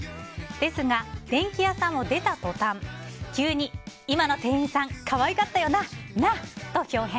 ですが、電気屋さんを出た途端急に今の店員さん可愛かったよな、な！と、豹変。